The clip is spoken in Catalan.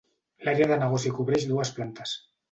L'àrea de negoci cobreix dues plantes.